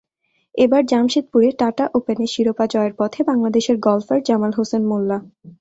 এবার জামশেদপুরে টাটা ওপেনে শিরোপা জয়ের পথে বাংলাদেশের গলফার জামাল হোসেন মোল্লা।